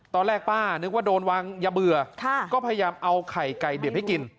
ป้านึกว่าโดนวางยาเบื่อก็พยายามเอาไข่ไก่ดิบให้กิน